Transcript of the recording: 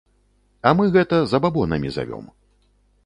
А мы гэта забабонамі завём.